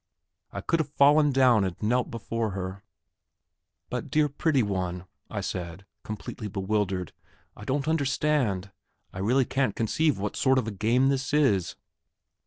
I could have fallen down and knelt before her. "But, dear pretty one," I said, completely bewildered, "I don't understand.... I really can't conceive what sort of a game this is...."